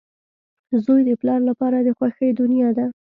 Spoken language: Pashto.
• زوی د پلار لپاره د خوښۍ دنیا ده.